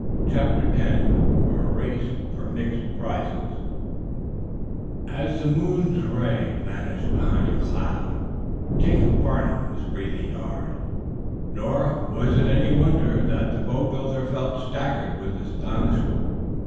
CHAPTER X A RACE FOR MIXED PRIZES As the moon's ray vanished behind a cloud Jacob Farnum was breathing hard. Nor was it any wonder that the boatbuilder felt staggered with astonishment.